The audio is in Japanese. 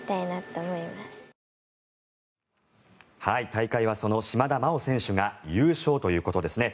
大会はその島田麻央選手が優勝ということですね。